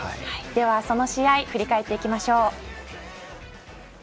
その試合振り返っていきましょう。